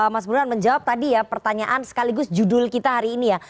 mas burhan menjawab tadi ya pertanyaan sekaligus judul kita hari ini ya